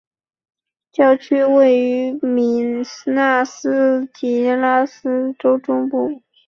教区位于米纳斯吉拉斯州中部。